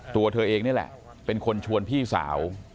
ตัวเธอเองนี่แหละเป็นคนชวนพี่สาว